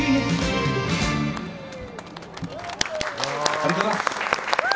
ありがとうございます！